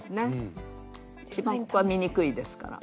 一番ここは見にくいですから。